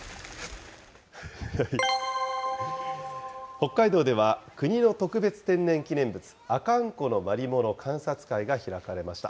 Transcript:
北海道では国の特別天然記念物、阿寒湖のマリモの観察会が開かれました。